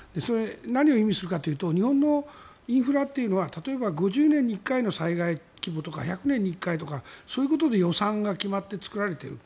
何を意味するかというと日本のインフラは例えば５０年に１回の災害規模とか１００年に１回とかそういうことで予算が決まって作られている。